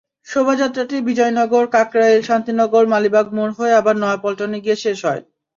শোভাযাত্রাটি বিজয়নগর, কাকরাইল, শান্তিনগর, মালিবাগ মোড় হয়ে আবার নয়াপল্টনে গিয়ে শেষ হয়।